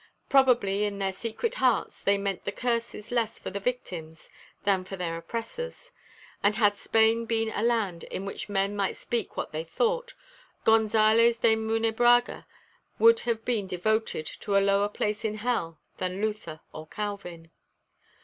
Probably in their secret hearts they meant the curses less for the victims than for their oppressors; and had Spain been a land in which men might speak what they thought, Gonzales de Munebrãga would have been devoted to a lower place in hell than Luther or Calvin.